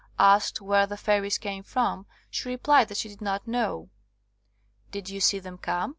Asked where the fairies came from, she replied that she did not know. Did you see them come?"